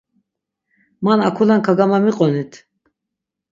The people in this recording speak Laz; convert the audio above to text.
Man akolen kagamamiqonit!